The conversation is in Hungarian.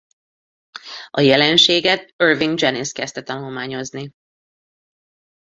A jelenséget Irving Janis kezdte tanulmányozni.